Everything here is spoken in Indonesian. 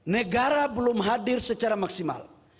negara belum hadir secara maksimal